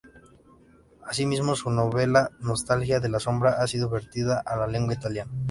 Asimismo, su novela Nostalgia de la sombra, ha sido vertida a la lengua italiana.